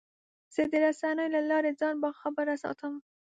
زه د رسنیو له لارې ځان باخبره ساتم.